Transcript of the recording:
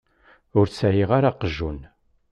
Ur sɛiɣ ara aqjun.